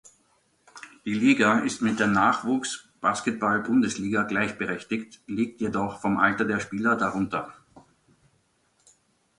Die Liga ist mit der Nachwuchs-Basketball-Bundesliga gleichberechtigt, liegt jedoch vom Alter der Spieler darunter.